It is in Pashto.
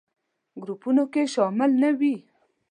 ګروپونو کې شامل نه وي.